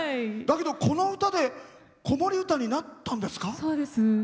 だけどこの歌で子守歌になったんですか？